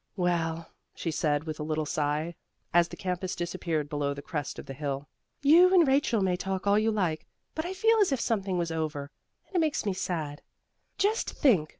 "Well," she said with a little sigh, as the campus disappeared below the crest of the hill, "you and Rachel may talk all you like, but I feel as if something was over, and it makes me sad. Just think!